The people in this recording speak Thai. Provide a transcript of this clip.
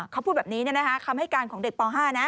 เขาพูดแบบนี้คำให้การของเด็กป๕นะ